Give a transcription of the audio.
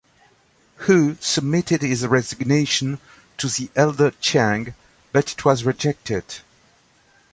Wu submitted his resignation to the elder Chiang but it was rejected.